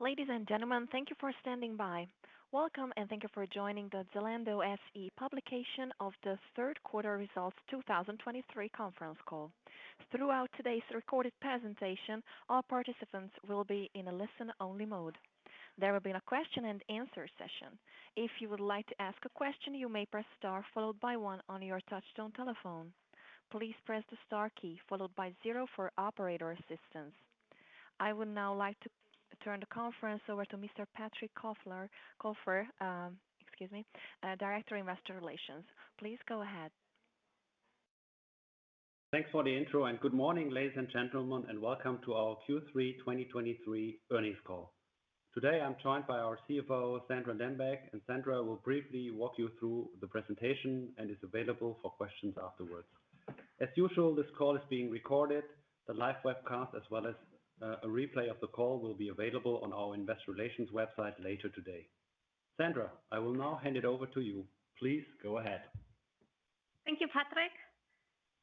Ladies and gentlemen, thank you for standing by. Welcome, and thank you for joining the Zalando SE publication of the third quarter results 2023 conference call. Throughout today's recorded presentation, all participants will be in a listen-only mode. There will be a question and answer session. If you would like to ask a question, you may press Star followed by One on your touchtone telephone. Please press the Star key followed by zero for operator assistance. I would now like to turn the conference over to Mr. Patrick Kofler, excuse me, Director, Investor Relations. Please go ahead. Thanks for the intro, and good morning, ladies and gentlemen, and welcome to our Q3 2023 earnings call. Today, I'm joined by our CFO, Sandra Dembeck, and Sandra will briefly walk you through the presentation and is available for questions afterwards. As usual, this call is being recorded. The live webcast, as well as a replay of the call, will be available on our investor relations website later today. Sandra, I will now hand it over to you. Please go ahead. Thank you, Patrick.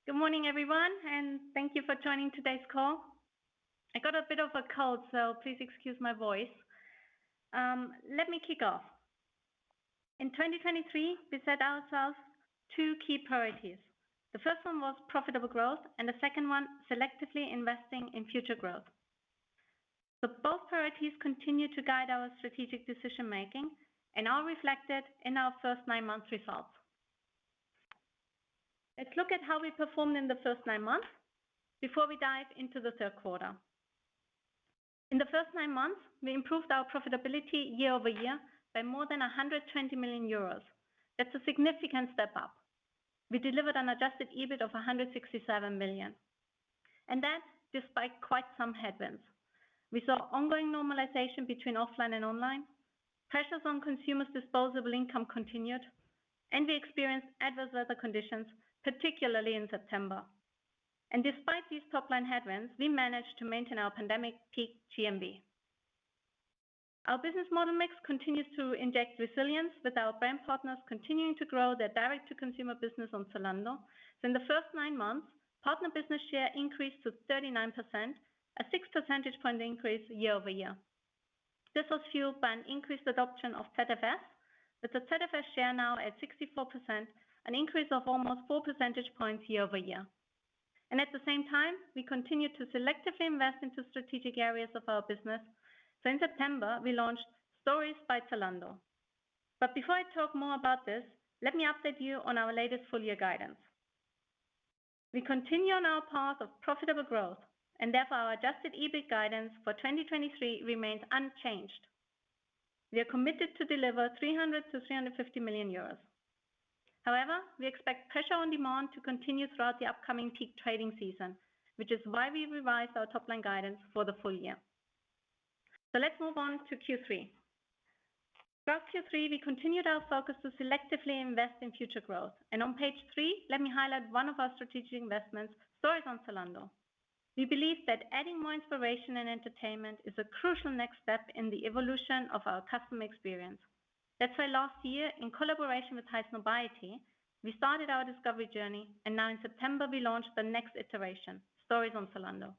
Good morning, everyone, and thank you for joining today's call. I got a bit of a cold, so please excuse my voice. Let me kick off. In 2023, we set ourselves two key priorities. The first one was profitable growth and the second one, selectively investing in future growth. Both priorities continue to guide our strategic decision making and are reflected in our first nine months results. Let's look at how we performed in the first nine months before we dive into the third quarter. In the first nine months, we improved our profitability year-over-year by more than 120 million euros. That's a significant step up. We delivered an adjusted EBIT of 167 million, and that despite quite some headwinds. We saw ongoing normalization between offline and online. Pressures on consumers' disposable income continued, and we experienced adverse weather conditions, particularly in September. Despite these top-line headwinds, we managed to maintain our pandemic peak GMV. Our business model mix continues to inject resilience, with our brand partners continuing to grow their direct-to-consumer business on Zalando. In the first nine months, partner business share increased to 39%, a 6 percentage point increase year-over-year. This was fueled by an increased adoption of ZFS, with the ZFS share now at 64%, an increase of almost 4 percentage points year-over-year. At the same time, we continued to selectively invest into strategic areas of our business, so in September, we launched Stories by Zalando. Before I talk more about this, let me update you on our latest full-year guidance. We continue on our path of profitable growth, and therefore our Adjusted EBIT guidance for 2023 remains unchanged. We are committed to deliver 300 million-350 million euros. However, we expect pressure on demand to continue throughout the upcoming peak trading season, which is why we revised our top-line guidance for the full year. Let's move on to Q3. Throughout Q3, we continued our focus to selectively invest in future growth, and on page 3, let me highlight one of our strategic investments, Stories on Zalando. We believe that adding more inspiration and entertainment is a crucial next step in the evolution of our customer experience. That's why last year, in collaboration with Highsnobiety, we started our discovery journey, and now in September, we launched the next iteration, Stories on Zalando.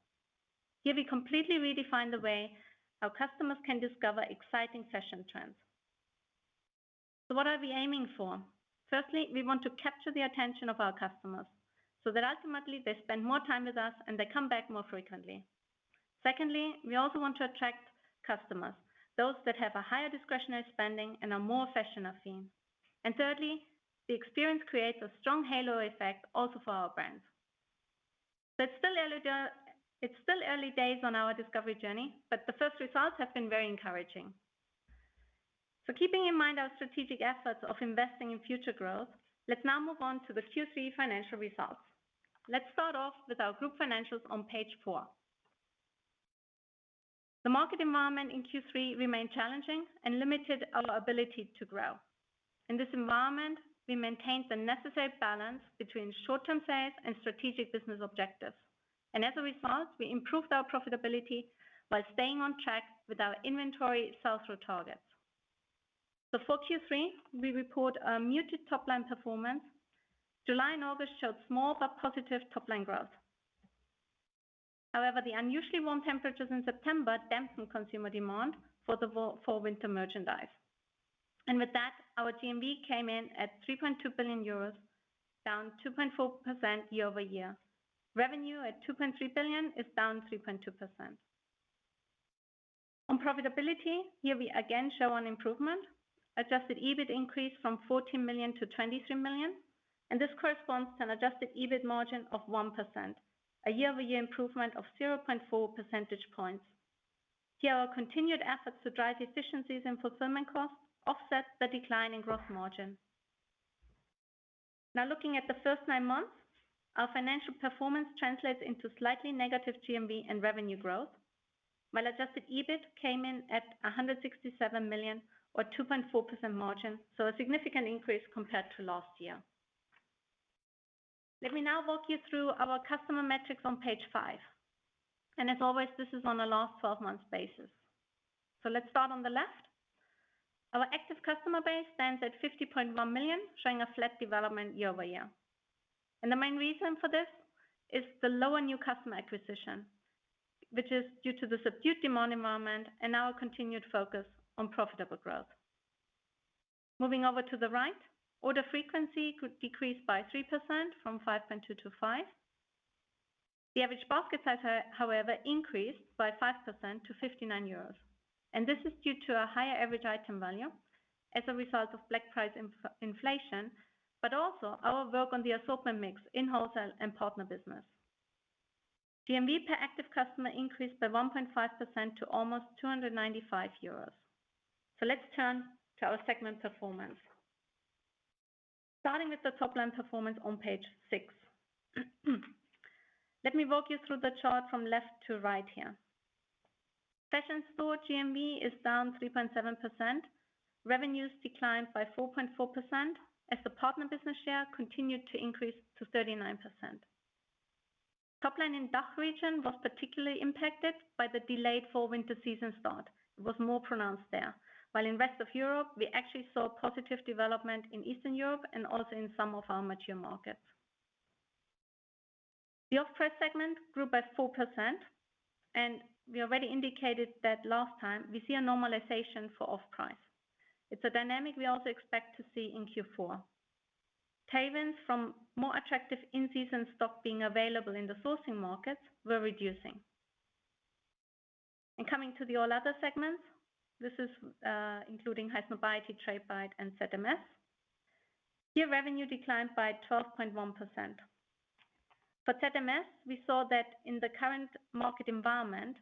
Here we completely redefined the way our customers can discover exciting fashion trends. So what are we aiming for? Firstly, we want to capture the attention of our customers so that ultimately they spend more time with us and they come back more frequently. Secondly, we also want to attract customers, those that have a higher discretionary spending and are more fashion-affined. And thirdly, the experience creates a strong halo effect also for our brands. It's still early days on our discovery journey, but the first results have been very encouraging. So keeping in mind our strategic efforts of investing in future growth, let's now move on to the Q3 financial results. Let's start off with our group financials on page four. The market environment in Q3 remained challenging and limited our ability to grow. In this environment, we maintained the necessary balance between short-term sales and strategic business objectives, and as a result, we improved our profitability by staying on track with our inventory sell-through targets. So for Q3, we report a muted top-line performance. July and August showed small but positive top-line growth. However, the unusually warm temperatures in September dampened consumer demand for winter merchandise. And with that, our GMV came in at 3.2 billion euros, down 2.4% year-over-year. Revenue at 2.3 billion is down 3.2%. On profitability, here we again show an improvement. Adjusted EBIT increased from 14 million to 23 million, and this corresponds to an adjusted EBIT margin of 1%, a year-over-year improvement of 0.4 percentage points. Here, our continued efforts to drive efficiencies in fulfillment costs offset the decline in growth margin. Now, looking at the first 9 months, our financial performance translates into slightly negative GMV and revenue growth, while Adjusted EBIT came in at 167 million or 2.4% margin, so a significant increase compared to last year. Let me now walk you through our customer metrics on page 5, and as always, this is on a last 12-month basis. So let's start on the left... Our active customer base stands at 50.1 million, showing a flat development year-over-year. The main reason for this is the lower new customer acquisition, which is due to the subdued demand environment and our continued focus on profitable growth. Moving over to the right, order frequency could decrease by 3% from 5.2-5. The average basket size, however, increased by 5% to 59 euros, and this is due to a higher average item value as a result of price inflation, but also our work on the assortment mix in wholesale and partner business. GMV per active customer increased by 1.5% to almost 295 euros. So let's turn to our segment performance. Starting with the top line performance on page six. Let me walk you through the chart from left to right here. Fashion store GMV is down 3.7%. Revenues declined by 4.4%, as the partner business share continued to increase to 39%. Top line in DACH region was particularly impacted by the delayed fall/winter season start. It was more pronounced there. While in rest of Europe, we actually saw positive development in Eastern Europe and also in some of our mature markets. The off-price segment grew by 4%, and we already indicated that last time we see a normalization for off-price. It's a dynamic we also expect to see in Q4. Tailwinds from more attractive in-season stock being available in the sourcing markets were reducing. And coming to the all other segments, this is, including Highsnobiety, Tradebyte, and ZMS. Here, revenue declined by 12.1%. For ZMS, we saw that in the current market environment,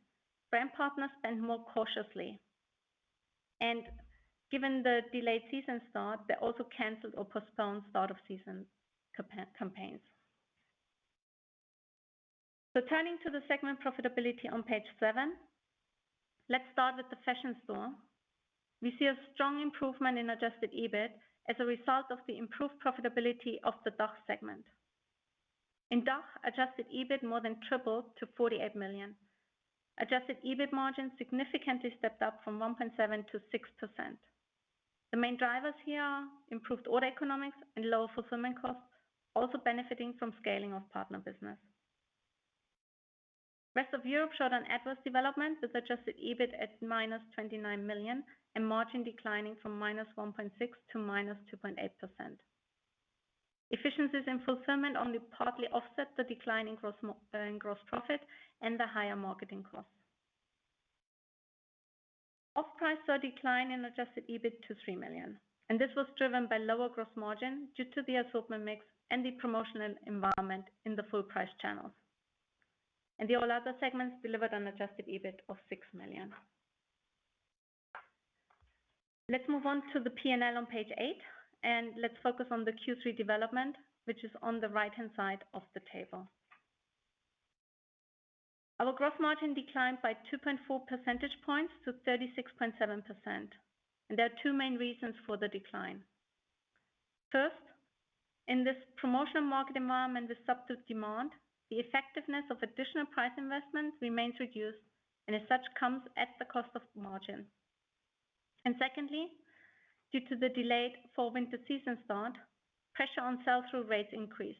brand partners spend more cautiously, and given the delayed season start, they also canceled or postponed start-of-season campaigns. So turning to the segment profitability on page seven. Let's start with the fashion store. We see a strong improvement in adjusted EBIT as a result of the improved profitability of the DACH segment. In DACH, adjusted EBIT more than tripled to 48 million. Adjusted EBIT margin significantly stepped up from 1.7%-6%. The main drivers here are improved order economics and lower fulfillment costs, also benefiting from scaling of partner business. Rest of Europe showed an adverse development with adjusted EBIT at -29 million, and margin declining from -1.6% to -2.8%. Efficiencies in fulfillment only partly offset the decline in gross profit and the higher marketing costs. Off-price saw a decline in adjusted EBIT to 3 million, and this was driven by lower gross margin due to the assortment mix and the promotional environment in the full price channels. All other segments delivered an adjusted EBIT of 6 million. Let's move on to the P&L on page 8, and let's focus on the Q3 development, which is on the right-hand side of the table. Our gross margin declined by 2.4 percentage points to 36.7%, and there are two main reasons for the decline. First, in this promotional market environment with subdued demand, the effectiveness of additional price investments remains reduced and as such, comes at the cost of margin. And secondly, due to the delayed fall/winter season start, pressure on sell-through rates increased.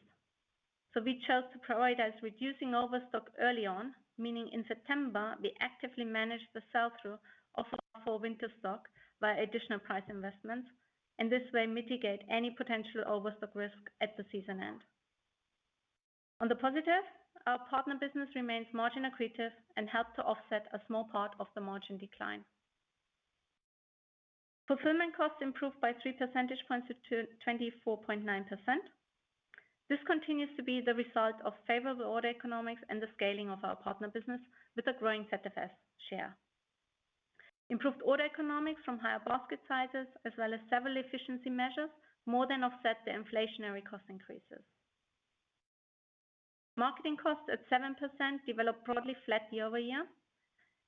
We chose to prioritize reducing overstock early on, meaning in September, we actively managed the sell-through of fall/winter stock via additional price investments, and this way, mitigate any potential overstock risk at the season end. On the positive, our partner business remains margin accretive and helped to offset a small part of the margin decline. Fulfillment costs improved by 3 percentage points to 24.9%. This continues to be the result of favorable order economics and the scaling of our partner business with a growing ZFS share. Improved order economics from higher basket sizes as well as several efficiency measures, more than offset the inflationary cost increases. Marketing costs at 7% developed broadly flat year-over-year.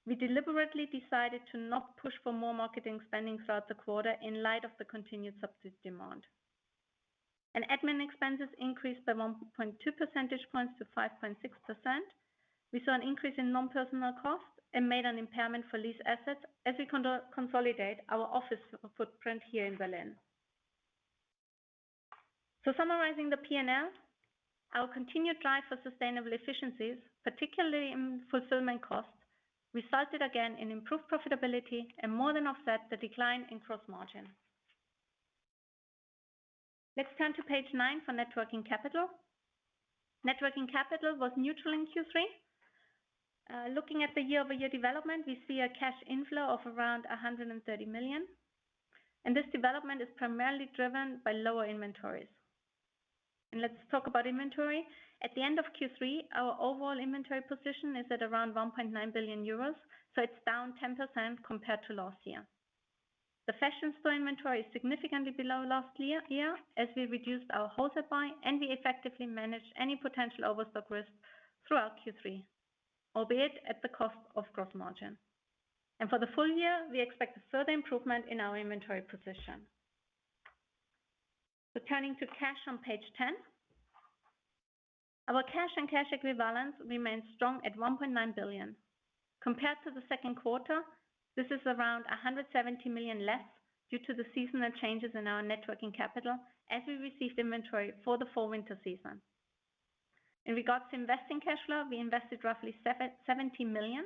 We deliberately decided to not push for more marketing spending throughout the quarter in light of the continued subdued demand. Admin expenses increased by 1.2 percentage points to 5.6%. We saw an increase in non-personal costs and made an impairment for lease assets as we consolidate our office footprint here in Berlin. So summarizing the P&L, our continued drive for sustainable efficiencies, particularly in fulfillment costs, resulted again in improved profitability and more than offset the decline in gross margin. Let's turn to page 9 for net working capital. Net working capital was neutral in Q3. Looking at the year-over-year development, we see a cash inflow of around 130 million, and this development is primarily driven by lower inventories. Let's talk about inventory. At the end of Q3, our overall inventory position is at around 1.9 billion euros, so it's down 10% compared to last year. The fashion store inventory is significantly below last year, as we reduced our wholesale buy, and we effectively managed any potential overstock risk throughout Q3, albeit at the cost of gross margin. For the full year, we expect a further improvement in our inventory position. Returning to cash on page ten. Our cash and cash equivalents remains strong at 1.9 billion. Compared to the second quarter, this is around 170 million less due to the seasonal changes in our net working capital as we received inventory for the fall/winter season. In regards to investing cash flow, we invested roughly 770 million,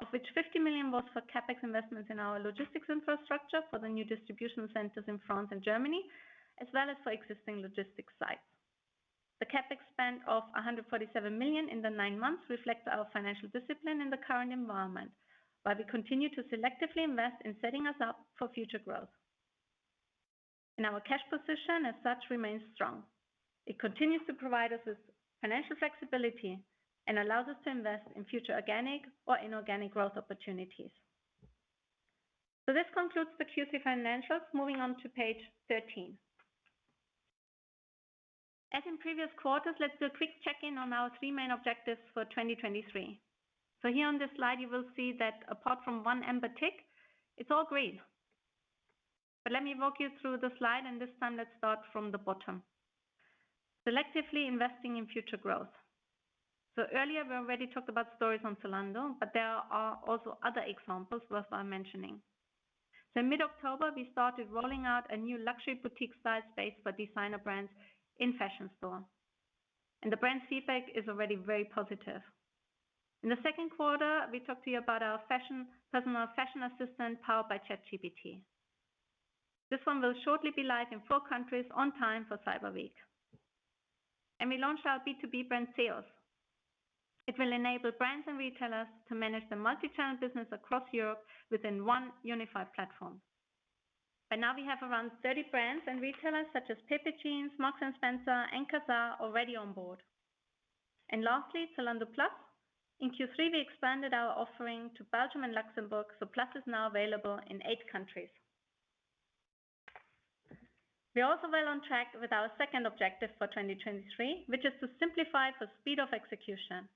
of which 50 million was for CapEx investments in our logistics infrastructure for the new distribution centers in France and Germany, as well as for existing logistics sites. The CapEx spend of 147 million in the nine months reflects our financial discipline in the current environment, while we continue to selectively invest in setting us up for future growth. Our cash position, as such, remains strong. It continues to provide us with financial flexibility and allows us to invest in future organic or inorganic growth opportunities. So this concludes the Q3 financials. Moving on to page 13. As in previous quarters, let's do a quick check-in on our three main objectives for 2023. So here on this slide, you will see that apart from one amber tick, it's all green. But let me walk you through the slide, and this time let's start from the bottom. Selectively investing in future growth. So earlier, we already talked about Stories on Zalando, but there are also other examples worth mentioning. So mid-October, we started rolling out a new luxury boutique-sized space for designer brands in fashion store, and the brand feedback is already very positive. In the second quarter, we talked to you about our personal fashion assistant powered by ChatGPT. This one will shortly be live in four countries on time for Cyber Week. We launched our B2B brand, ZEOS. It will enable brands and retailers to manage their multi-channel business across Europe within one unified platform. By now, we have around 30 brands and retailers such as Pepe Jeans, Marks & Spencer, and Kazar already on board. Lastly, Zalando Plus. In Q3, we expanded our offering to Belgium and Luxembourg, so Plus is now available in eight countries. We are also well on track with our second objective for 2023, which is to simplify for speed of execution.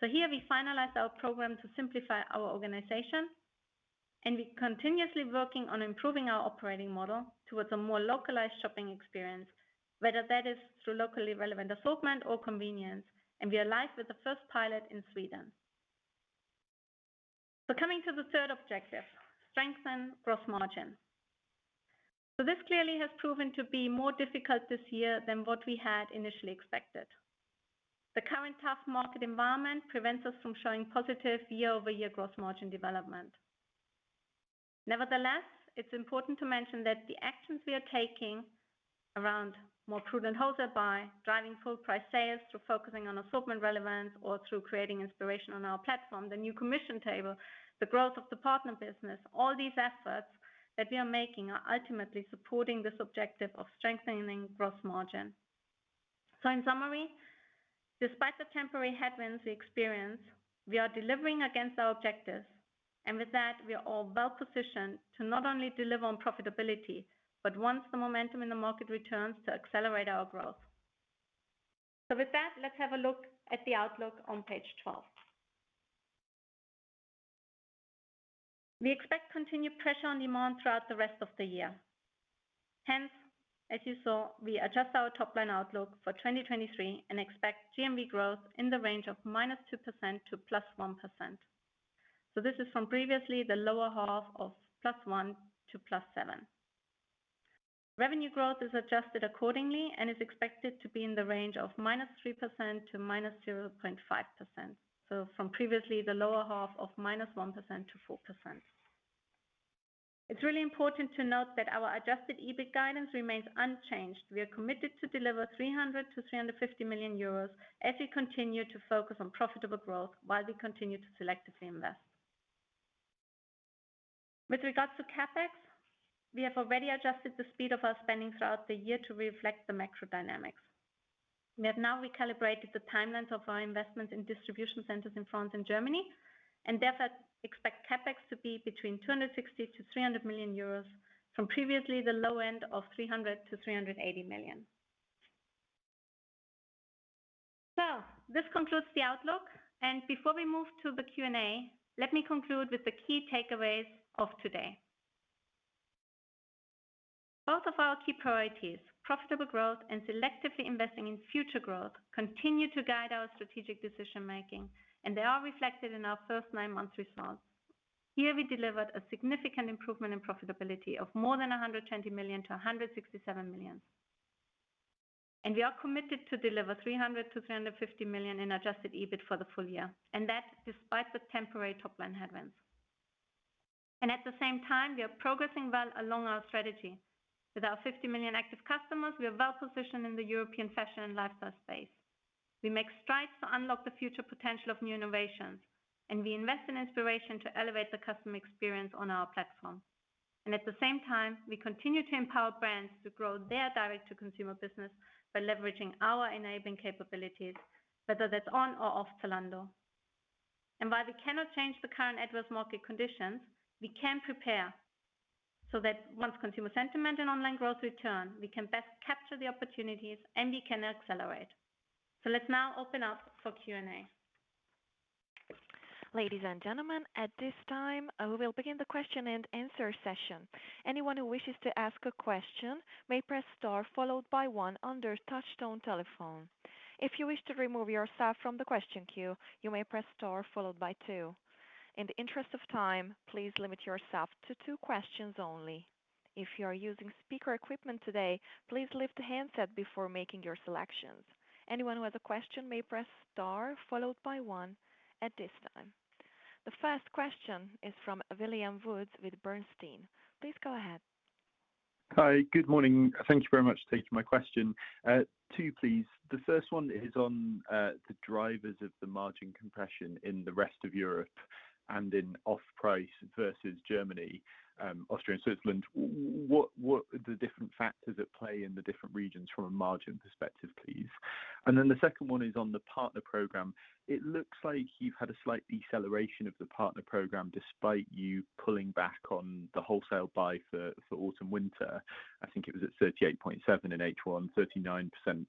Here we finalized our program to simplify our organization, and we're continuously working on improving our operating model towards a more localized shopping experience, whether that is through locally relevant assortment or convenience, and we are live with the first pilot in Sweden. So coming to the third objective, strengthen gross margin. So this clearly has proven to be more difficult this year than what we had initially expected. The current tough market environment prevents us from showing positive year-over-year gross margin development. Nevertheless, it's important to mention that the actions we are taking around more prudent wholesale by driving full price sales, through focusing on assortment relevance, or through creating inspiration on our platform, the new commission table, the growth of the partner business, all these efforts that we are making are ultimately supporting this objective of strengthening gross margin. So in summary, despite the temporary headwinds we experience, we are delivering against our objectives, and with that, we are all well positioned to not only deliver on profitability, but once the momentum in the market returns, to accelerate our growth. So with that, let's have a look at the outlook on page 12. We expect continued pressure on demand throughout the rest of the year. Hence, as you saw, we adjust our top-line outlook for 2023 and expect GMV growth in the range of -2% to +1%. So this is from previously the lower half of +1% to +7%. Revenue growth is adjusted accordingly and is expected to be in the range of -3% to -0.5%. So from previously, the lower half of -1% to 4%. It's really important to note that our adjusted EBIT guidance remains unchanged. We are committed to deliver 300 million-350 million euros as we continue to focus on profitable growth while we continue to selectively invest. With regards to CapEx, we have already adjusted the speed of our spending throughout the year to reflect the macro dynamics. We have now recalibrated the timelines of our investment in distribution centers in France and Germany, and therefore, expect CapEx to be between 260 million and 300 million euros, from previously the low end of 300 million-380 million. So this concludes the outlook, and before we move to the Q&A, let me conclude with the key takeaways of today. Both of our key priorities, profitable growth and selectively investing in future growth, continue to guide our strategic decision making, and they are reflected in our first nine months results. Here, we delivered a significant improvement in profitability of more than 120 million to 167 million. We are committed to deliver 300 million-350 million in adjusted EBIT for the full year, and that's despite the temporary top line headwinds. And at the same time, we are progressing well along our strategy. With our 50 million active customers, we are well positioned in the European fashion and lifestyle space. We make strides to unlock the future potential of new innovations, and we invest in inspiration to elevate the customer experience on our platform. And at the same time, we continue to empower brands to grow their direct-to-consumer business by leveraging our enabling capabilities, whether that's on or off Zalando. And while we cannot change the current adverse market conditions, we can prepare, so that once consumer sentiment and online growth return, we can best capture the opportunities and we can accelerate. So let's now open up for Q&A.... Ladies and gentlemen, at this time, we will begin the question and answer session. Anyone who wishes to ask a question may press star, followed by one on their touchtone telephone. If you wish to remove yourself from the question queue, you may press star followed by two. In the interest of time, please limit yourself to two questions only. If you are using speaker equipment today, please lift the handset before making your selections. Anyone who has a question may press star, followed by one at this time. The first question is from William Woods with Bernstein. Please go ahead. Hi, good morning. Thank you very much for taking my question. Two please. The first one is on the drivers of the margin compression in the rest of Europe and in off-price versus Germany, Austria, and Switzerland. What are the different factors at play in the different regions from a margin perspective, please? And then the second one is on the Partner Program. It looks like you've had a slight deceleration of the Partner Program, despite you pulling back on the wholesale buy for autumn/winter. I think it was at 38.7% in H1, 39%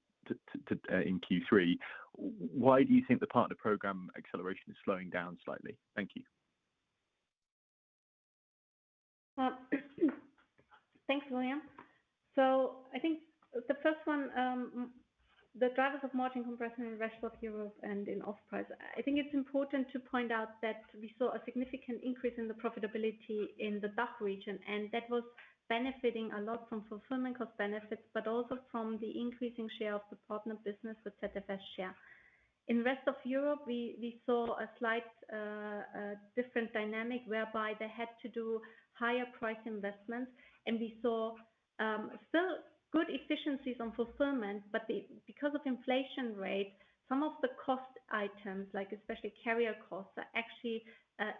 in Q3. Why do you think the Partner Program acceleration is slowing down slightly? Thank you. Thanks, William. So I think the first one, the drivers of margin compression in rest of Europe and in off-price. I think it's important to point out that we saw a significant increase in the profitability in the DACH region, and that was benefiting a lot from fulfillment cost benefits, but also from the increasing share of the partner business with ZFS Share. In rest of Europe, we saw a slight different dynamic whereby they had to do higher price investments, and we saw still good efficiencies on fulfillment. But because of inflation rate, some of the cost items, like especially carrier costs, are actually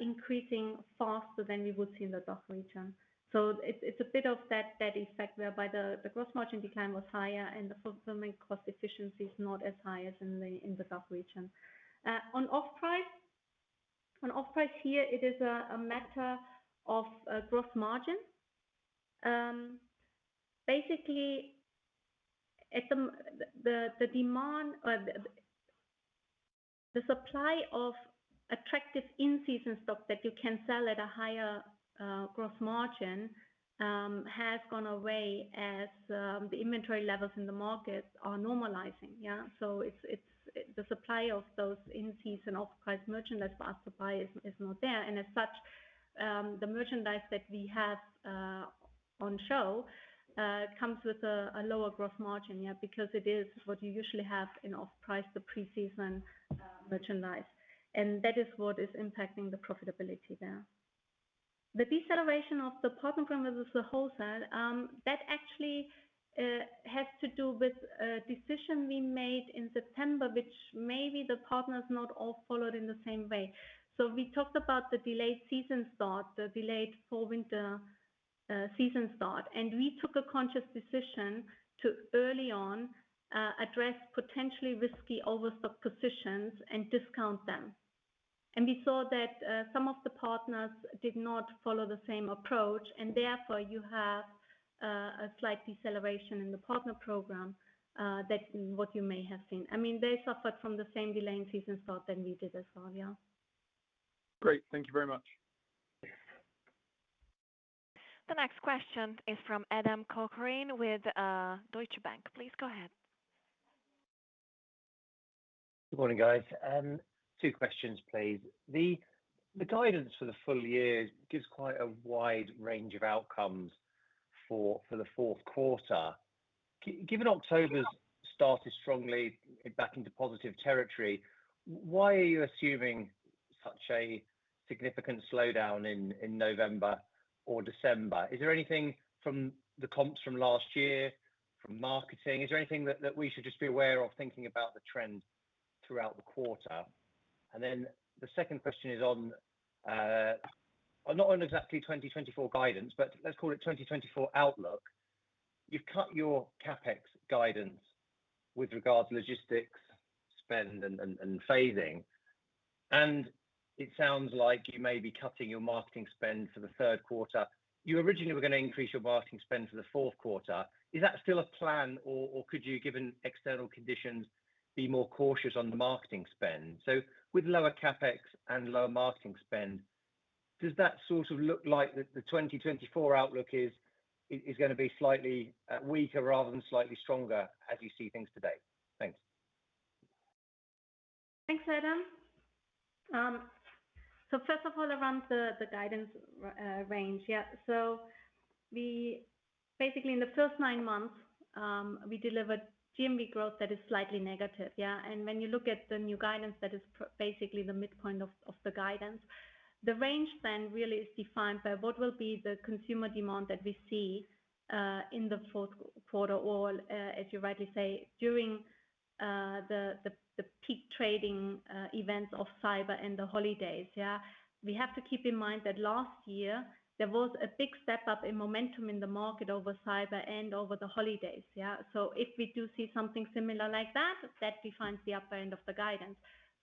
increasing faster than we would see in the DACH region. So it's a bit of that effect, whereby the gross margin decline was higher and the fulfillment cost efficiency is not as high as in the DACH region. On off-price, here it is a matter of gross margin. Basically, the demand or the supply of attractive in-season stock that you can sell at a higher gross margin has gone away as the inventory levels in the market are normalizing. So the supply of those in-season off-price merchandise for our suppliers is not there, and as such, the merchandise that we have on show comes with a lower gross margin. Because it is what you usually have in off-price, the pre-season merchandise, and that is what is impacting the profitability there. The deceleration of the Partner Program as a wholesale, that actually, has to do with a decision we made in September, which maybe the partners not all followed in the same way. So we talked about the delayed season start, the delayed fall/winter, season start, and we took a conscious decision to early on, address potentially risky overstock positions and discount them. And we saw that, some of the partners did not follow the same approach, and therefore you have, a slight deceleration in the Partner Program, that's what you may have seen. I mean, they suffered from the same delay in season start that we did as well. Yeah. Great. Thank you very much. The next question is from Adam Cochrane with Deutsche Bank. Please go ahead. Good morning, guys. Two questions, please. The guidance for the full year gives quite a wide range of outcomes for the fourth quarter. Given October's started strongly back into positive territory, why are you assuming such a significant slowdown in November or December? Is there anything from the comps from last year, from marketing? Is there anything that we should just be aware of, thinking about the trend throughout the quarter? And then the second question is on, not on exactly 2024 guidance, but let's call it 2024 outlook. You've cut your CapEx guidance with regards to logistics spend and phasing. And it sounds like you may be cutting your marketing spend for the third quarter. You originally were going to increase your marketing spend for the fourth quarter. Is that still a plan, or could you, given external conditions, be more cautious on the marketing spend? So with lower CapEx and lower marketing spend, does that sort of look like the 2024 outlook is gonna be slightly weaker rather than slightly stronger as you see things today? Thanks. Thanks, Adam. So first of all, around the guidance range. Yeah, so we basically in the first nine months, we delivered GMV growth that is slightly negative, yeah. And when you look at the new guidance, that is basically the midpoint of the guidance. The range then really is defined by what will be the consumer demand that we see in the fourth quarter, or, as you rightly say, during the peak trading events of cyber and the holidays. Yeah. We have to keep in mind that last year there was a big step up in momentum in the market over cyber and over the holidays. Yeah? So if we do see something similar like that, that defines the upper end of the guidance.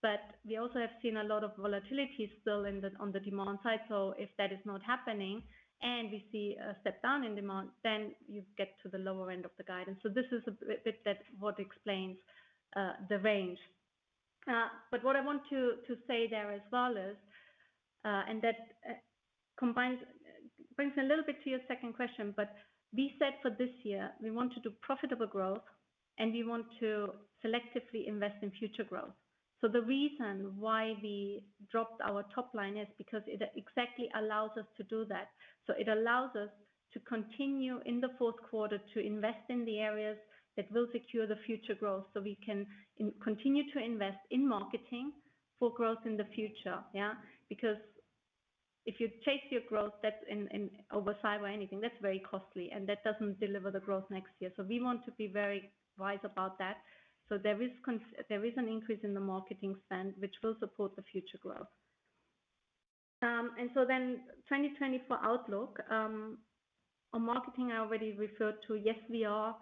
But we also have seen a lot of volatility still in the, on the demand side. So if that is not happening and we see a step down in demand, then you get to the lower end of the guidance. So this is a bit, that's what explains the range. But what I want to say there as well is, and that combines, brings a little bit to your second question, but we said for this year, we want to do profitable growth, and we want to selectively invest in future growth. So the reason why we dropped our top line is because it exactly allows us to do that. So it allows us to continue in the fourth quarter to invest in the areas that will secure the future growth, so we can continue to invest in marketing for growth in the future. Yeah? Because if you chase your growth, that's in over five or anything, that's very costly, and that doesn't deliver the growth next year. So we want to be very wise about that. So there is an increase in the marketing spend, which will support the future growth. And so then 2024 outlook. On marketing, I already referred to, yes, we are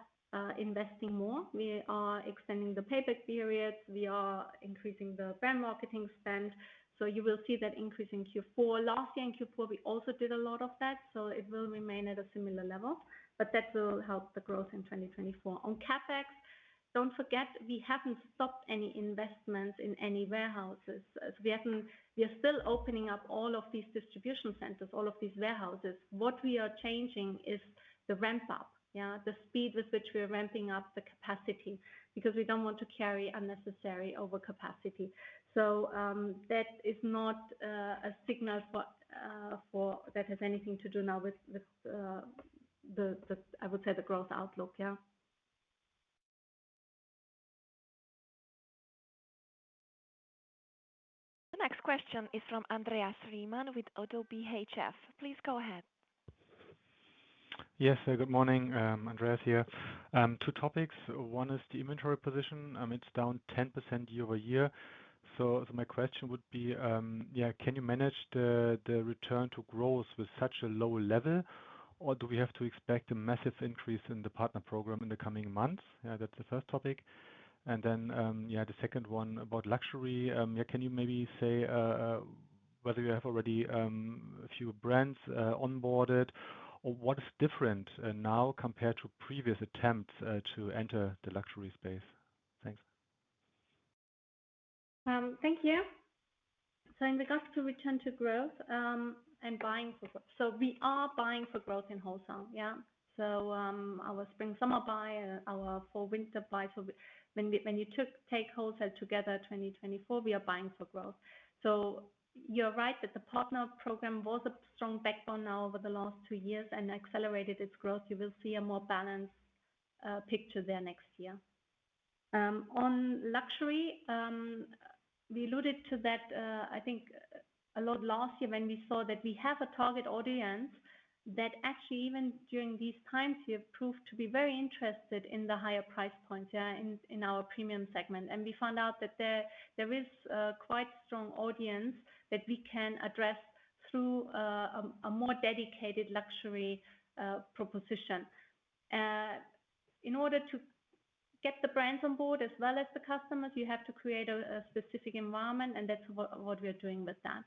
investing more. We are extending the payback period. We are increasing the brand marketing spend, so you will see that increase in Q4. Last year in Q4, we also did a lot of that, so it will remain at a similar level, but that will help the growth in 2024. On CapEx, don't forget, we haven't stopped any investments in any warehouses. As we are still, we are still opening up all of these distribution centers, all of these warehouses. What we are changing is the ramp up. Yeah? The speed with which we are ramping up the capacity, because we don't want to carry unnecessary overcapacity. So, that is not a signal that has anything to do now with the, I would say, the growth outlook. Yeah. The next question is from Andreas Riemann with ODDO BHF. Please go ahead. Yes, good morning, Andreas here. Two topics. One is the inventory position. It's down 10% year-over-year. So my question would be, can you manage the return to growth with such a low level, or do we have to expect a massive increase in the Partner Program in the coming months? That's the first topic. And then, the second one about luxury. Can you maybe say whether you have already a few brands onboarded, or what is different now compared to previous attempts to enter the luxury space? Thanks. Thank you. So in regards to return to growth, and buying for growth. So we are buying for growth in wholesale. Yeah? So, our spring/summer buy and our fall/winter buy. So when you, when you take wholesale together, 2024, we are buying for growth. So you're right that the partner program was a strong backbone now over the last two years and accelerated its growth. You will see a more balanced picture there next year. On luxury, we alluded to that, I think a lot last year when we saw that we have a target audience that actually, even during these times here, proved to be very interested in the higher price point, yeah, in our premium segment. And we found out that there is quite strong audience that we can address through a more dedicated luxury proposition. In order to get the brands on board as well as the customers, you have to create a specific environment, and that's what we are doing with that.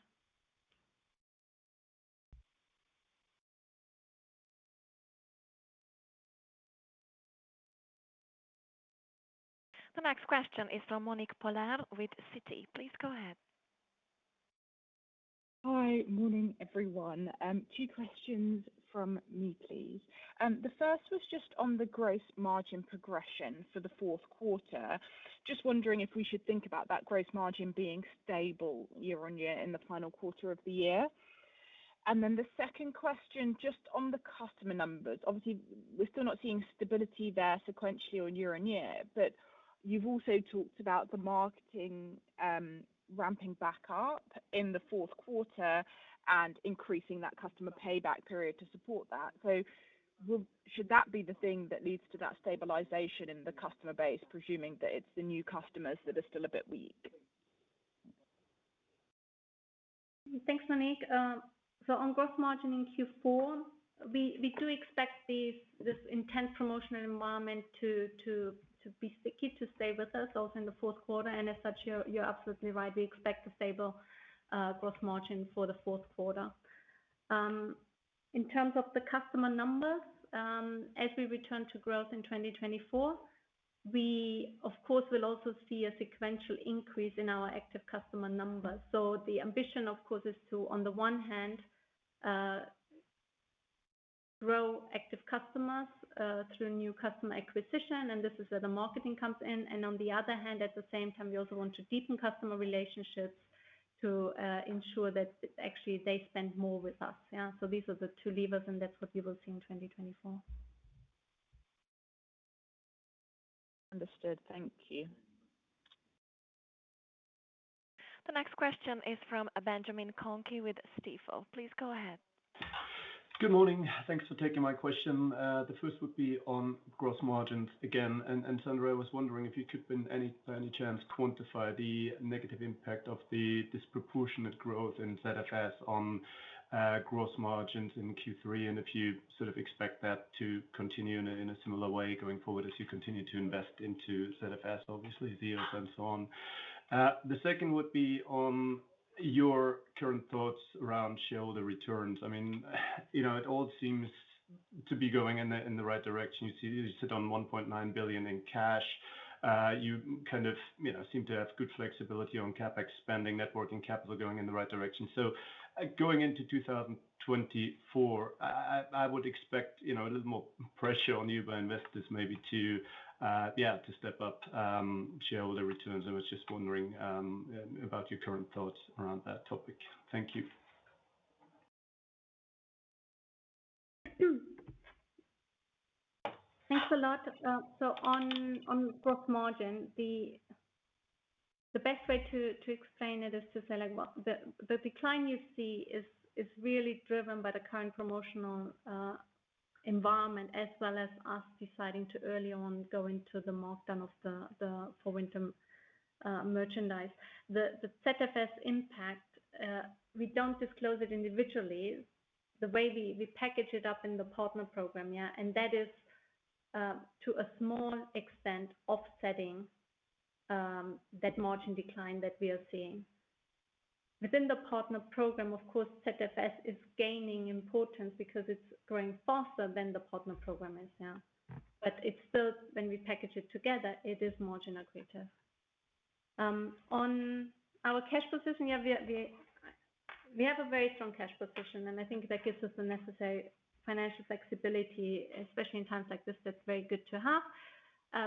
The next question is from Monique Pollard with Citi. Please go ahead. Hi. Morning, everyone. Two questions from me, please. The first was just on the gross margin progression for the fourth quarter. Just wondering if we should think about that gross margin being stable year-on-year in the final quarter of the year. And then the second question, just on the customer numbers. Obviously, we're still not seeing stability there sequentially or year-on-year, but you've also talked about the marketing ramping back up in the fourth quarter and increasing that customer payback period to support that. So should that be the thing that leads to that stabilization in the customer base, presuming that it's the new customers that are still a bit weak? Thanks, Monique. So on gross margin in Q4, we do expect this intense promotional environment to be sticky, to stay with us also in the fourth quarter. And as such, you're absolutely right, we expect a stable gross margin for the fourth quarter. In terms of the customer numbers, as we return to growth in 2024, we, of course, will also see a sequential increase in our active customer numbers. So the ambition, of course, is to, on the one hand, grow active customers through new customer acquisition, and this is where the marketing comes in. And on the other hand, at the same time, we also want to deepen customer relationships to ensure that actually they spend more with us. Yeah, so these are the two levers, and that's what you will see in 2024. Understood. Thank you. The next question is from Benjamin Kohnke with Stifel. Please go ahead. Good morning. Thanks for taking my question. The first would be on gross margins again. And Sandra, I was wondering if you could, by any chance, quantify the negative impact of the disproportionate growth in ZFS on gross margins in Q3, and if you sort of expect that to continue in a similar way going forward as you continue to invest into ZFS, obviously, ZEOS and so on. The second would be on your current thoughts around shareholder returns. I mean, you know, it all seems-... to be going in the, in the right direction. You see, you sit on 1.9 billion in cash. You kind of, you know, seem to have good flexibility on CapEx spending, net working capital going in the right direction. So going into 2024, I would expect, you know, a little more pressure on you by investors maybe to step up shareholder returns. I was just wondering about your current thoughts around that topic. Thank you. Thanks a lot. So on gross margin, the best way to explain it is to say, like, well, the decline you see is really driven by the current promotional environment as well as us deciding to early on go into the markdown of the fall winter merchandise. The ZFS impact, we don't disclose it individually. The way we package it up in the Partner Program, yeah, and that is to a small extent offsetting that margin decline that we are seeing. Within the Partner Program, of course, ZFS is gaining importance because it's growing faster than the Partner Program is now. But it's still when we package it together, it is margin accretive. On our cash position, yeah, we have a very strong cash position, and I think that gives us the necessary financial flexibility, especially in times like this, that's very good to have,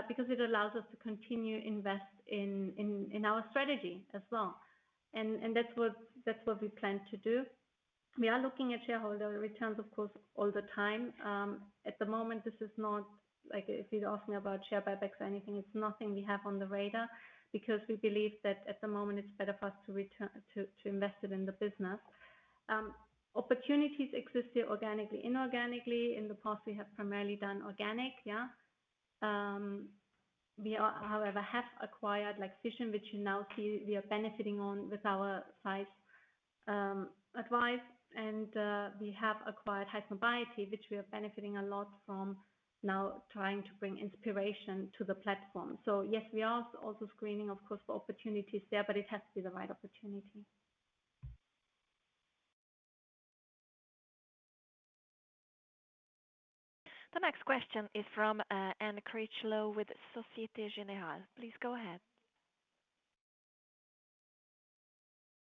because it allows us to continue invest in our strategy as well. And that's what we plan to do. We are looking at shareholder returns, of course, all the time. At the moment, this is not like if you're asking about share buybacks or anything, it's nothing we have on the radar, because we believe that at the moment it's better for us to return, to invest it in the business. Opportunities exist here organically, inorganically. In the past, we have primarily done organic, yeah. We are... However, have acquired like Fision, which you now see we are benefiting on with our size, advice. And, we have acquired Highsnobiety, which we are benefiting a lot from now trying to bring inspiration to the platform. So yes, we are also screening, of course, for opportunities there, but it has to be the right opportunity. The next question is from Anne Critchlow with Société Générale. Please go ahead.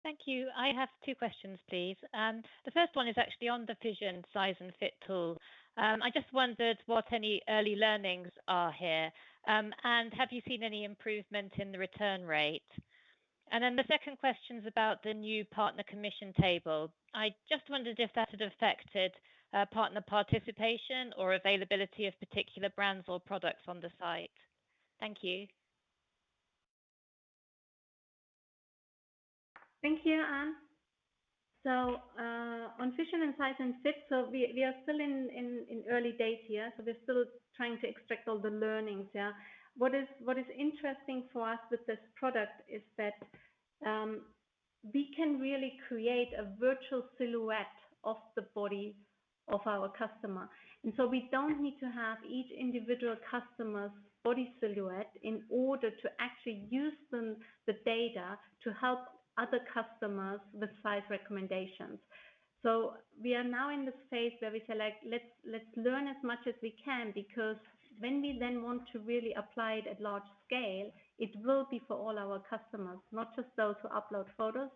Thank you. I have two questions, please. The first one is actually on the Fision size and fit tool. I just wondered what any early learnings are here, and have you seen any improvement in the return rate? And then the second question is about the new partner commission table. I just wondered if that had affected partner participation or availability of particular brands or products on the site. Thank you. Thank you, Anne. So, on Fision and size and fit, so we are still in early days here, so we're still trying to extract all the learnings, yeah. What is interesting for us with this product is that, we can really create a virtual silhouette of the body of our customer. And so we don't need to have each individual customer's body silhouette in order to actually use them, the data, to help other customers with size recommendations. So we are now in the phase where we say, like, "Let's learn as much as we can," because when we then want to really apply it at large scale, it will be for all our customers, not just those who upload photos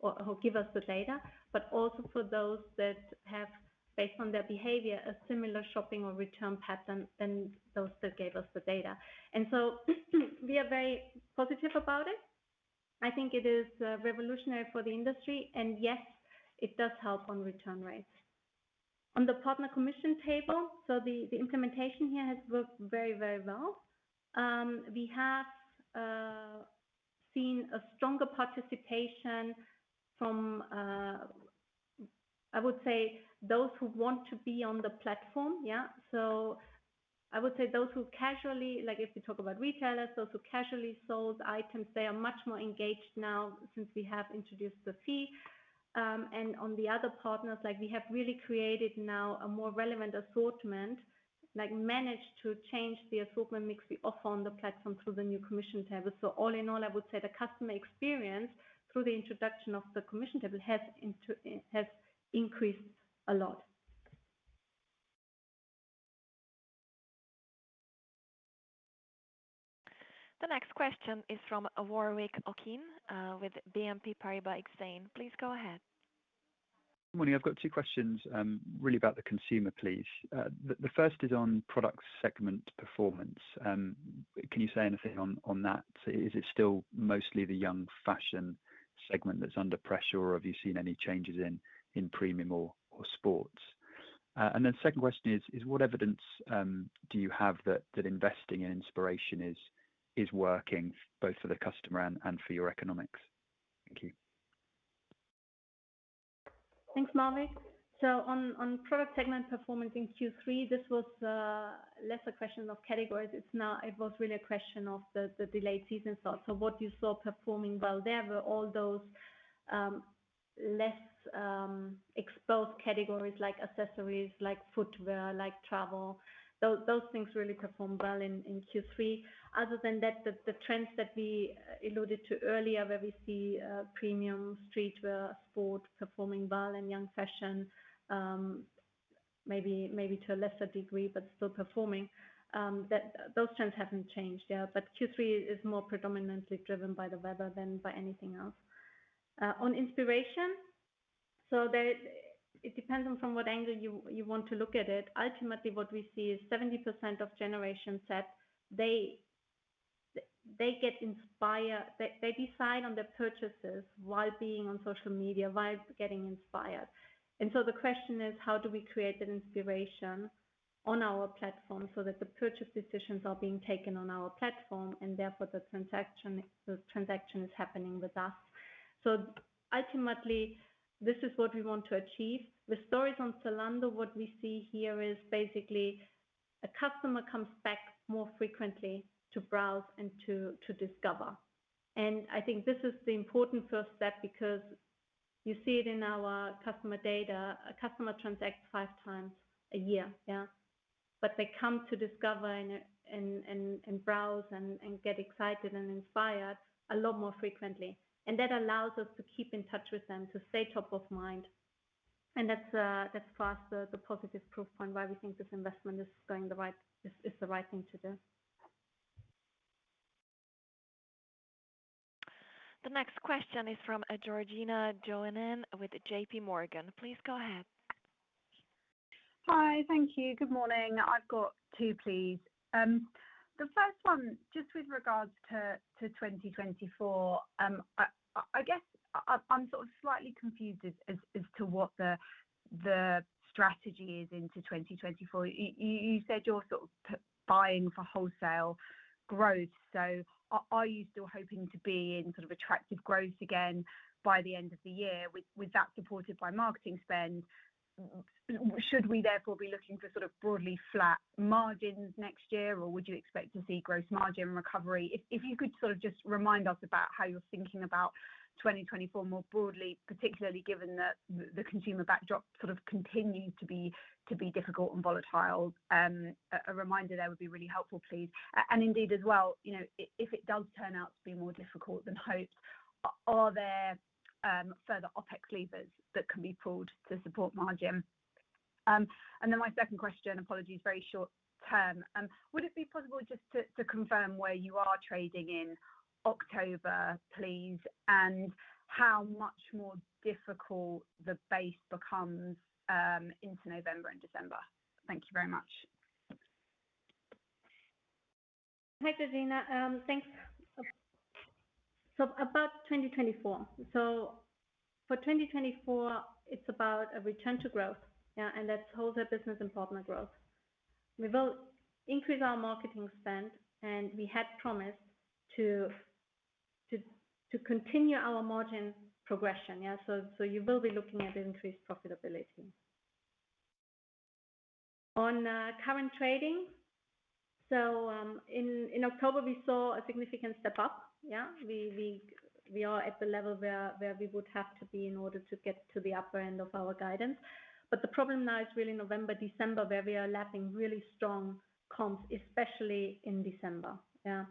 or who give us the data, but also for those that have, based on their behavior, a similar shopping or return pattern than those that gave us the data. And so we are very positive about it. I think it is revolutionary for the industry, and yes, it does help on return rates. On the partner commission table, so the implementation here has worked very, very well. We have seen a stronger participation from, I would say, those who want to be on the platform, yeah? So I would say those who casually, like if we talk about retailers, those who casually sold items, they are much more engaged now since we have introduced the fee. And on the other partners, like we have really created now a more relevant assortment, like managed to change the assortment mix we offer on the platform through the new commission table. So all in all, I would say the customer experience through the introduction of the commission table has increased a lot. The next question is from Warwick Okines with BNP Paribas Exane. Please go ahead. Morning. I've got two questions, really about the consumer, please. The first is on product segment performance. Can you say anything on that? Is it still mostly the young fashion segment that's under pressure, or have you seen any changes in premium or sports? And then the second question is, what evidence do you have that investing in inspiration is working both for the customer and for your economics? Thank you. Thanks, Warwick. So on product segment performance in Q3, this was less a question of categories. It was really a question of the delayed season start. So what you saw performing well, there were all those less exposed categories like accessories, like footwear, like travel. Those things really performed well in Q3. Other than that, the trends that we alluded to earlier, where we see premium streetwear, sport performing well and young fashion maybe to a lesser degree, but still performing, those trends haven't changed, yeah. But Q3 is more predominantly driven by the weather than by anything else. On inspiration, so there, it depends on from what angle you want to look at it. Ultimately, what we see is 70% of Generation Z, they get inspired. They decide on their purchases while being on social media, while getting inspired. And so the question is: how do we create that inspiration on our platform so that the purchase decisions are being taken on our platform, and therefore, the transaction, the transaction is happening with us? So ultimately, this is what we want to achieve. With Stories on Zalando, what we see here is basically a customer comes back more frequently to browse and to discover. And I think this is the important first step because you see it in our customer data. A customer transacts five times a year, yeah? But they come to discover and browse and get excited and inspired a lot more frequently. And that allows us to keep in touch with them, to stay top of mind. And that's fast. The positive proof point why we think this investment is going the right... is the right thing to do. The next question is from Georgina Johanan with JPMorgan. Please go ahead. Hi. Thank you. Good morning. I've got two, please. The first one, just with regards to 2024. I guess I'm sort of slightly confused as to what the strategy is into 2024. You said you're sort of buying for wholesale growth, so are you still hoping to be in sort of attractive growth again by the end of the year, with that supported by marketing spend? Should we therefore be looking for sort of broadly flat margins next year, or would you expect to see gross margin recovery? If you could sort of just remind us about how you're thinking about 2024 more broadly, particularly given that the consumer backdrop sort of continues to be difficult and volatile. A reminder there would be really helpful, please. And indeed, as well, you know, if it does turn out to be more difficult than hoped, are there further OpEx levers that can be pulled to support margin? And then my second question, apologies, very short term. Would it be possible just to confirm where you are trading in October, please, and how much more difficult the base becomes into November and December? Thank you very much. Hi, Georgina. Thanks. So about 2024. So for 2024, it's about a return to growth, yeah, and that's wholesale business and partner growth. We will increase our marketing spend, and we had promised to continue our margin progression. Yeah, so you will be looking at increased profitability. On current trading, so in October, we saw a significant step up, yeah. We are at the level where we would have to be in order to get to the upper end of our guidance. But the problem now is really November, December, where we are lapping really strong comps, especially in December. Yeah.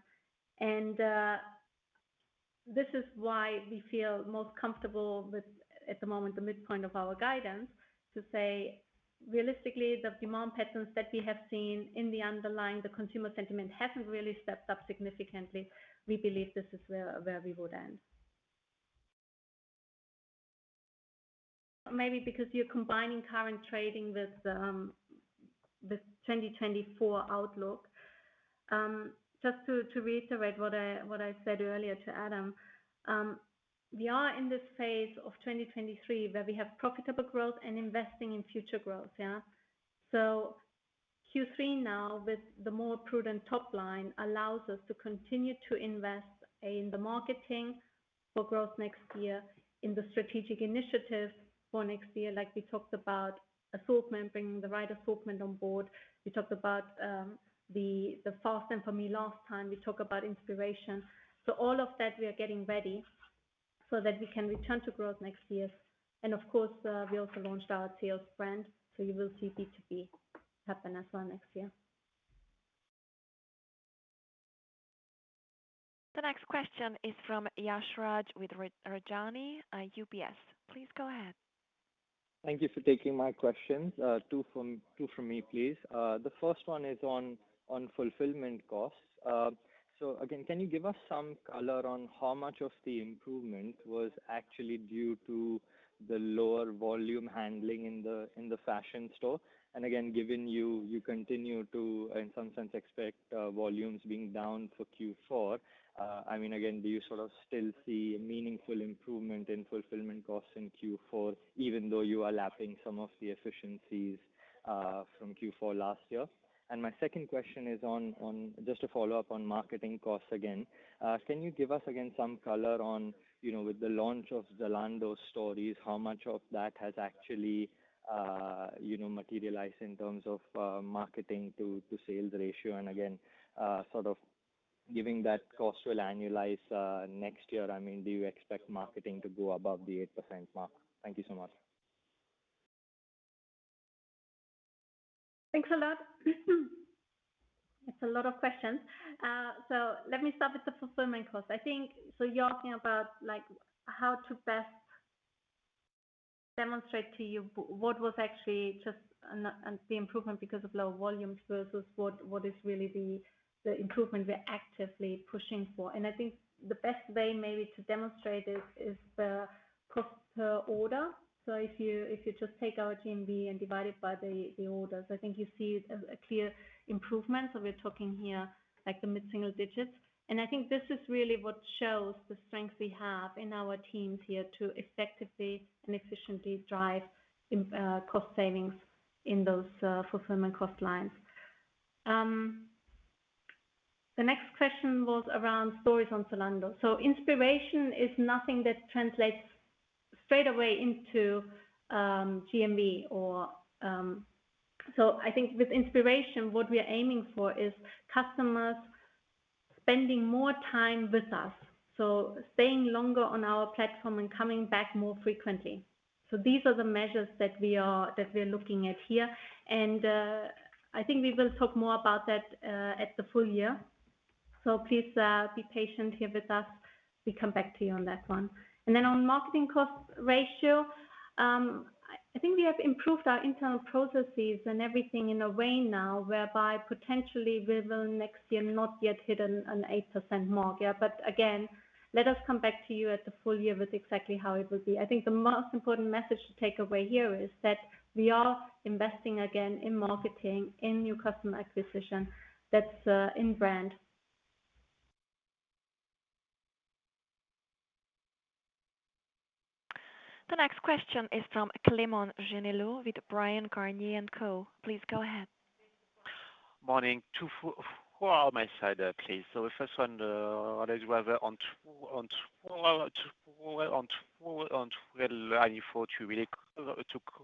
This is why we feel most comfortable with, at the moment, the midpoint of our guidance, to say, realistically, the demand patterns that we have seen in the underlying, the consumer sentiment hasn't really stepped up significantly. We believe this is where we would end. Maybe because you're combining current trading with 2024 outlook. Just to reiterate what I said earlier to Adam, we are in this phase of 2023, where we have profitable growth and investing in future growth, yeah? So Q3 now, with the more prudent top line, allows us to continue to invest in the marketing for growth next year, in the strategic initiative for next year, like we talked about, assortment, bringing the right assortment on board. We talked about the Fashion Assistant last time, we talk about inspiration. All of that, we are getting ready so that we can return to growth next year. Of course, we also launched our ZEOS brand, so you will see B2B happen as well next year. The next question is from Yashraj Rajani, UBS. Please go ahead. Thank you for taking my questions. Two from me, please. The first one is on fulfillment costs. So again, can you give us some color on how much of the improvement was actually due to the lower volume handling in the fashion store? And again, given you continue to, in some sense, expect volumes being down for Q4, I mean, again, do you sort of still see a meaningful improvement in fulfillment costs in Q4, even though you are lapping some of the efficiencies from Q4 last year? And my second question is on. Just a follow-up on marketing costs again. Can you give us again some color on, you know, with the launch of Zalando Stories, how much of that has actually you know materialized in terms of marketing to sales ratio? And again, sort of giving that cost will annualize next year, I mean, do you expect marketing to go above the 8% mark? Thank you so much. Thanks a lot. It's a lot of questions. So let me start with the fulfillment cost. I think, so you're talking about, like, how to best demonstrate to you what was actually just an improvement because of lower volumes versus what is really the improvement we're actively pushing for. And I think the best way maybe to demonstrate it is the cost per order. So if you just take our GMV and divide it by the orders, I think you see a clear improvement. So we're talking here, like, the mid-single digits, and I think this is really what shows the strength we have in our teams here to effectively and efficiently drive cost savings in those fulfillment cost lines. The next question was around Stories on Zalando. So inspiration is nothing that translates straight away into GMV or... So I think with inspiration, what we are aiming for is customers spending more time with us, so staying longer on our platform and coming back more frequently. So these are the measures that we are looking at here, and I think we will talk more about that at the full year. So please be patient here with us. We come back to you on that one. And then on marketing cost ratio, I think we have improved our internal processes and everything in a way now, whereby potentially we will next year not yet hit an 8% mark. Yeah, but again, let us come back to you at the full year with exactly how it will be. I think the most important message to take away here is that we are investing again in marketing, in new customer acquisition, that's in brand. The next question is from Clément Genelot with Bryan, Garnier & Co. Please go ahead. Morning. Two for on my side, please. The first one, whether on 2024, to really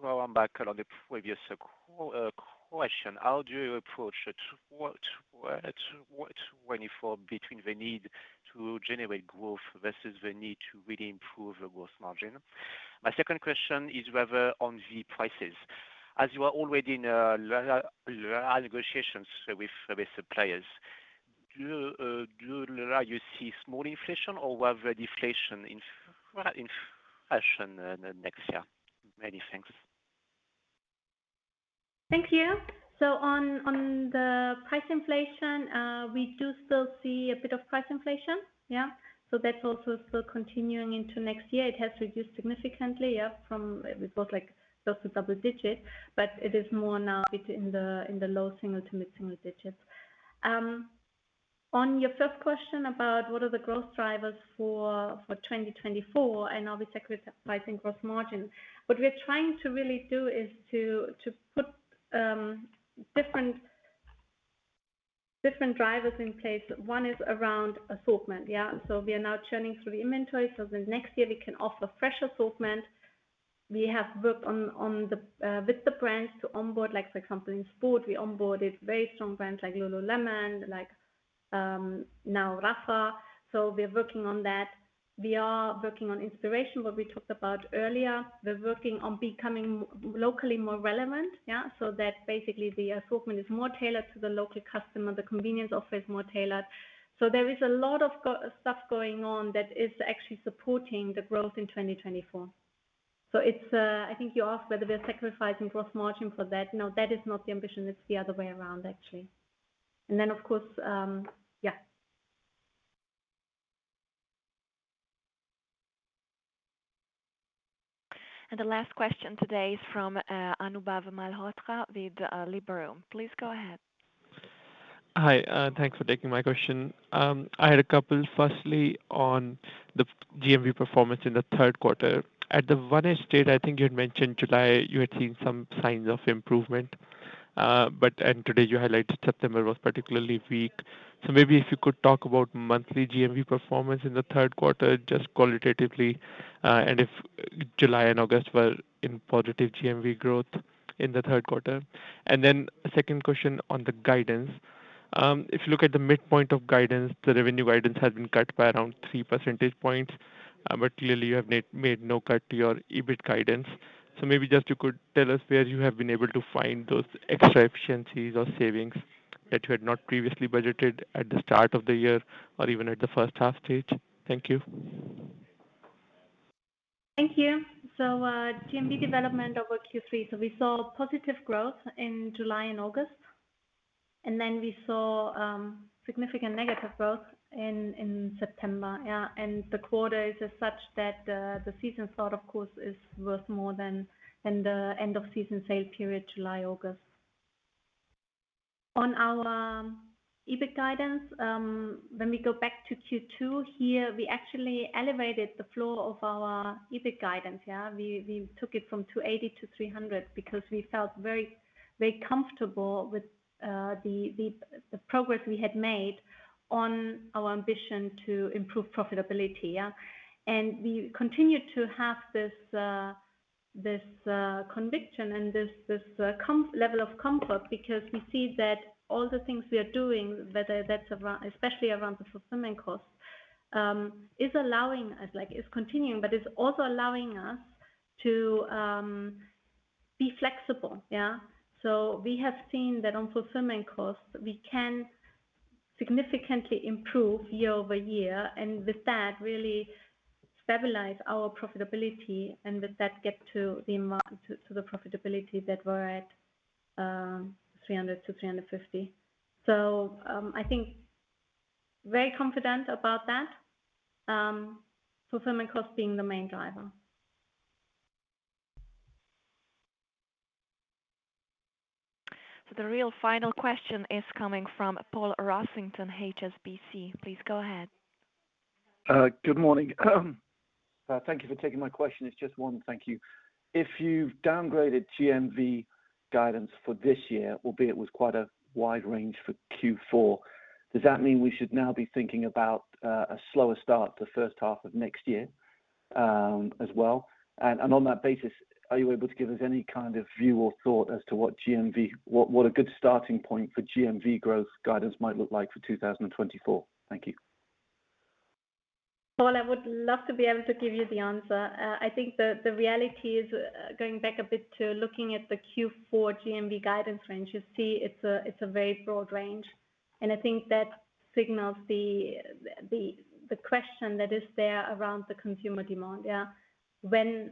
come back on the previous question, how do you approach it? What 24 between the need to generate growth versus the need to really improve the growth margin? My second question is whether on the prices, as you are already in negotiations with suppliers, do you see small inflation or whether deflation inflation next year? Many thanks. Thank you. So on the price inflation, we do still see a bit of price inflation. Yeah. So that's also still continuing into next year. It has reduced significantly, yeah, from we thought, like, just a double-digit, but it is more now between the, in the low-single- to mid-single-digit. On your first question about what are the growth drivers for 2024, and obviously, we're sacrificing gross margin. What we're trying to really do is to put different drivers in place. One is around assortment. Yeah, so we are now churning through the inventory, so the next year we can offer fresh assortment. We have worked on the with the brands to onboard, like for company sport, we onboarded very strong brands like Lululemon, like, now Rapha. So we're working on that. We are working on inspiration, what we talked about earlier. We're working on becoming locally more relevant, yeah, so that basically the assortment is more tailored to the local customer, the convenience offer is more tailored. So there is a lot of stuff going on that is actually supporting the growth in 2024. So it's, I think you asked whether we are sacrificing gross margin for that. No, that is not the ambition. It's the other way around, actually. And then, of course, yeah. The last question today is from Anubhav Malhotra with Liberum. Please go ahead. Hi, thanks for taking my question. I had a couple, firstly, on the GMV performance in the third quarter. At the one stage, I think you had mentioned July, you had seen some signs of improvement, but and today you highlighted September was particularly weak. So maybe if you could talk about monthly GMV performance in the third quarter, just qualitatively, and if July and August were in positive GMV growth in the third quarter. And then second question on the guidance. If you look at the midpoint of guidance, the revenue guidance has been cut by around 3 percentage points, but clearly you have made no cut to your EBIT guidance. Maybe just you could tell us where you have been able to find those extra efficiencies or savings that you had not previously budgeted at the start of the year or even at the first half stage. Thank you. Thank you. So, GMV development over Q3. So we saw positive growth in July and August, and then we saw significant negative growth in September. Yeah, and the quarter is as such that the season start, of course, is worth more than the end of season sale period, July, August. On our EBIT guidance, when we go back to Q2 here, we actually elevated the floor of our EBIT guidance. Yeah, we took it from 280-300 because we felt very, very comfortable with the progress we had made on our ambition to improve profitability, yeah. We continued to have this conviction and this comfort level because we see that all the things we are doing, whether that's around, especially around the fulfillment cost, is allowing us, like, it's continuing, but it's also allowing us to be flexible, yeah? So we have seen that on fulfillment costs, we can significantly improve year-over-year, and with that, really stabilize our profitability, and with that, get to the profitability that we're at, 300-350. So, I think very confident about that, fulfillment cost being the main driver. The real final question is coming from Paul Rossington, HSBC. Please go ahead. Good morning. Thank you for taking my question. It's just one, thank you. If you've downgraded GMV guidance for this year, albeit it was quite a wide range for Q4, does that mean we should now be thinking about a slower start to first half of next year, as well? On that basis, are you able to give us any kind of view or thought as to what GMV... What a good starting point for GMV growth guidance might look like for 2024? Thank you. Paul, I would love to be able to give you the answer. I think the reality is, going back a bit to looking at the Q4 GMV guidance range, you see it's a very broad range, and I think that signals the question that is there around the consumer demand. Yeah. When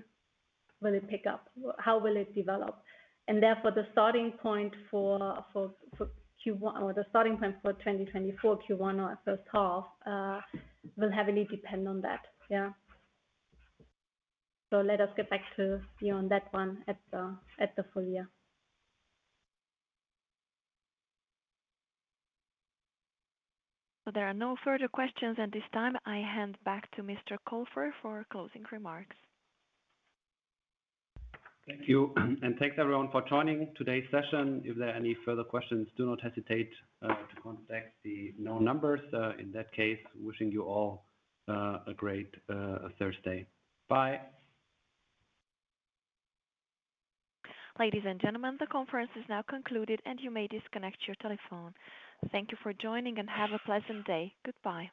will it pick up? How will it develop? And therefore, the starting point for Q1 or the starting point for 2024, Q1 or first half, will heavily depend on that. Yeah. So let us get back to you on that one at the full year. There are no further questions at this time. I hand back to Mr. Kofler for closing remarks. Thank you, and thanks everyone for joining today's session. If there are any further questions, do not hesitate to contact the known numbers. In that case, wishing you all a great Thursday. Bye. Ladies and gentlemen, the conference is now concluded, and you may disconnect your telephone. Thank you for joining and have a pleasant day. Goodbye.